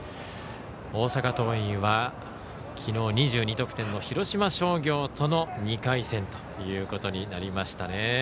大阪桐蔭はきのう２２得点の広島商業との２回戦ということになりました。